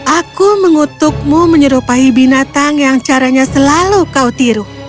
aku mengutukmu menyerupai binatang yang caranya selalu kau tiru